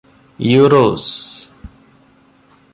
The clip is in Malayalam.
യൂറോസ്